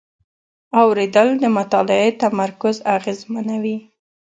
اورېدل د مطالعې تمرکز اغېزمنوي.